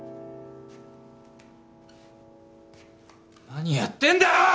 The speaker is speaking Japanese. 何やってんだよ！！